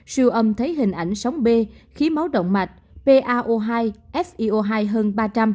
siêu âm thấy hình ảnh sóng b khí máu động mạch pao hai so hai hơn ba trăm linh